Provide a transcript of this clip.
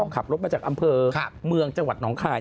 ขับรถมาจากอำเภอเมืองจังหวัดหนองคาย